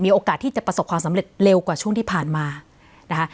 โอกาสที่จะประสบความสำเร็จเร็วกว่าช่วงที่ผ่านมานะคะ